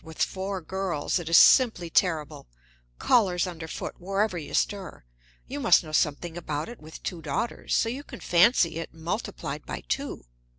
With four girls, it is simply terrible callers underfoot wherever you stir. You must know something about it, with two daughters; so you can fancy it multiplied by two.